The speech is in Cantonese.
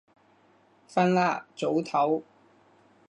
瞓啦，早唞